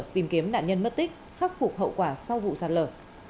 tìm kiếm nạn nhân mất tích khắc phục hậu quả sau vụ sạt lở